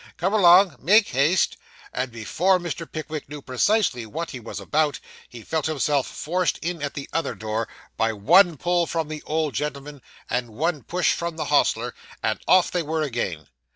'Come along! Make haste!' And before Mr. Pickwick knew precisely what he was about, he felt himself forced in at the other door, by one pull from the old gentleman and one push from the hostler; and off they were again.